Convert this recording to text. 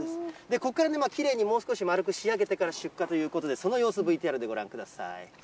ここからきれいにもう少し丸く仕上げてから出荷ということで、その様子をＶＴＲでご覧ください。